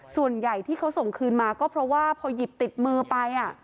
ส่วนใหญ่ที่เขาส่งคืนมาก็เพราะว่าพอหยิบติดมือไป